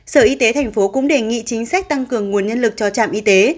sở y tế tp hcm cũng đề nghị chính sách tăng cường nguồn nhân lực cho trạm y tế